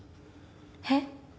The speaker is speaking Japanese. えっ？